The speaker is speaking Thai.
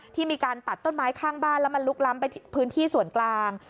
มีการตัดต้นไม้ข้างบ้านแล้วมันลุกล้ำไปพื้นที่ส่วนกลาง